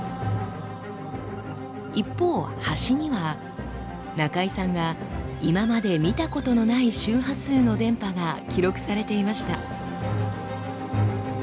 一方端には中井さんが今まで見たことのない周波数の電波が記録されていました。